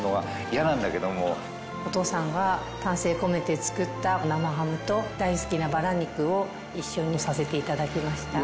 お父さんが丹精込めて作った生ハムと大好きなバラ肉を一緒にさせて頂きました。